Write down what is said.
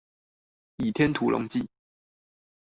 倚天屠龍記